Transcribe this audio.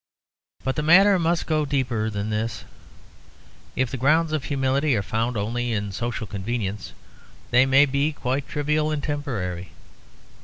But the matter must go deeper than this. If the grounds of humility are found only in social convenience, they may be quite trivial and temporary.